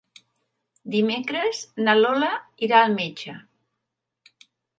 Dimecres na Lola irà al metge.